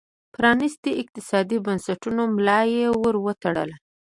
د پرانیستو اقتصادي بنسټونو ملا یې ور وتړله.